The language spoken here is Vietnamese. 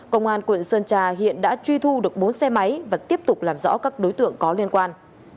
công an quận sơn trà hiện đã truy thu được bốn xe máy và tiếp tục làm rõ các đối tượng có liên quan